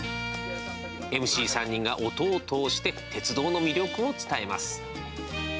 ＭＣ３人が音を通して鉄道の魅力を伝えます。